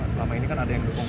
selama ini kan ada yang mendukung